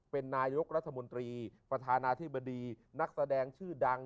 เป็นนายกรัฐมนตรีประธานาธิบดีนักแสดงชื่อดัง